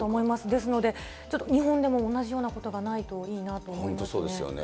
ですので、日本でも同じようなことがないといいなと思いますね。